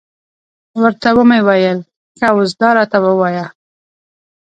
ورته ومې ویل، ښه اوس دا راته ووایه.